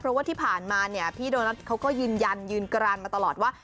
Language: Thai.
เพราะว่าที่ผ่านมาเนี่ยพี่โดนัทเขาก็ยืนยันยืนกรานมาตลอดว่า